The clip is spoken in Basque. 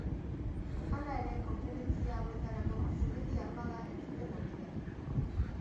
Hala ere konferentzia hauetarako Sumendi Armada ez zuten gonbidatu.